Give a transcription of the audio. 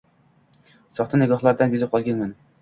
Soxta nigohlardan bezib qolganman